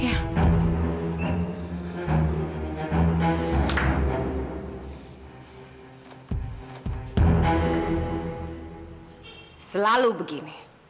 aku tak berhasil hele enclosednya